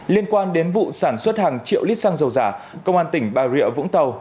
liên quan đến vụ sản xuất hàng triệu lít xăng dầu giả công an tỉnh bà rịa vũng tàu